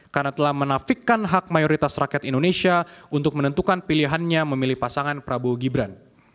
karena telah menafikkan hak mayoritas rakyat indonesia untuk menentukan pilihannya memilih pasangan prabowo gibran